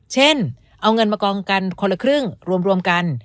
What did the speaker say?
เช่นเอาเงินมากองกันคนละครึ่งรวมกัน